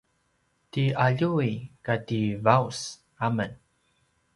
ti aljuy kati vaus amen